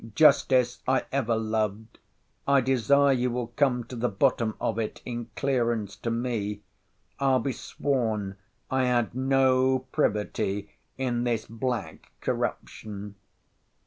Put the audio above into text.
Justice I ever loved. I desire you will come to the bottom of it in clearance to me. I'll be sworn I had no privity in this black corruption.